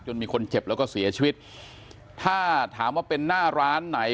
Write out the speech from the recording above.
มีคนเจ็บแล้วก็เสียชีวิตถ้าถามว่าเป็นหน้าร้านไหน